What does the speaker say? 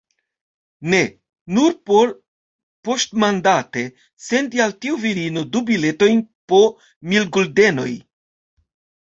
Ne; nur por poŝtmandate sendi al tiu virino du biletojn po mil guldenoj.